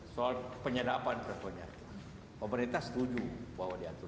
soal penyedapan pokoknya pemerintah setuju bahwa diatur